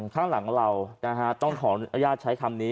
ข้างหลังเราต้องขออนุญาตใช้คำนี้